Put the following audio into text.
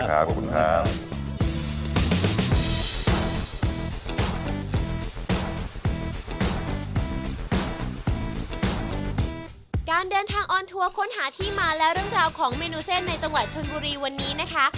การเดินทางออนทัวร์ค้นหาที่มาและเรื่องราวของเมนูเส้นในจังหวัดชนบุรีวันนี้นะคะ